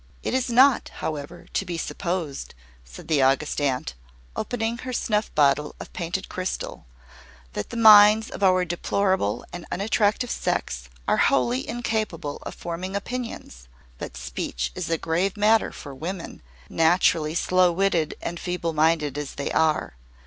"It is not, however, to be supposed," said the August Aunt, opening her snuff bottle of painted crystal, "that the minds of our deplorable and unattractive sex are wholly incapable of forming opinions. But speech is a grave matter for women, naturally slow witted and feeble minded as they are.